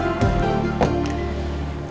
hati hati kesayangan kesayangan aku